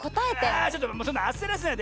あちょっとそんなあせらせないで！